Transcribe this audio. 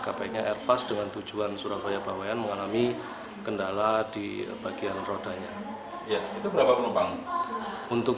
kpk airfast dengan tujuan surabaya bawaian mengalami kendala di bagian rodanya untuk